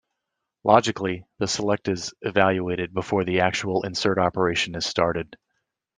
Logically, the select is evaluated before the actual insert operation is started.